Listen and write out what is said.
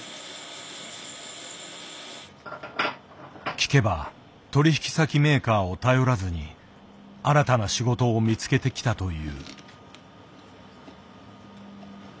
聞けば取引先メーカーを頼らずに新たな仕事を見つけてきたという。